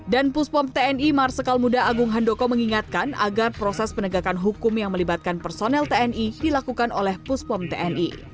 dan pusbom tni marsikal muda agung handoko mengingatkan agar proses penegakan hukum yang melibatkan personel tni dilakukan oleh pusbom tni